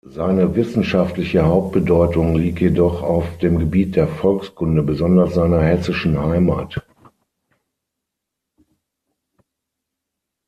Seine wissenschaftliche Hauptbedeutung liegt jedoch auf dem Gebiet der Volkskunde, besonders seiner hessischen Heimat.